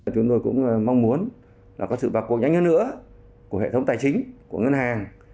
chúng tôi cũng mong muốn có sự vạc cuộc nhanh hơn nữa của hệ thống tài chính của ngân hàng